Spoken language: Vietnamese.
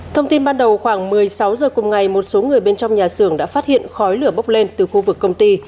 thông tin ban đầu khoảng một mươi sáu h cùng ngày một số người bên trong nhà xưởng đã phát hiện khói lửa bốc lên từ khu vực công ty